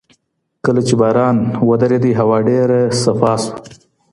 کله چي باران ودرېدی، هوا ډېره صفا سوه.